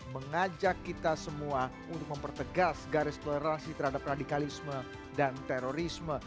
mengajak kita semua untuk mempertegas garis toleransi terhadap radikalisme dan terorisme